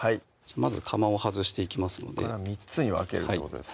まずかまを外していきますので３つに分けるってことですね